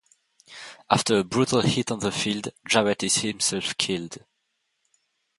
After a brutal hit on the field, Jarrett is himself killed.